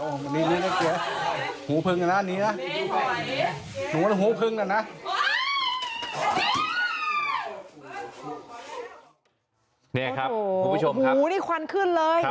นี่ครับคุณผู้ชมครับหูนี่ควันขึ้นเลย